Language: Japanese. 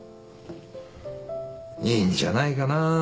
いいんじゃないかな。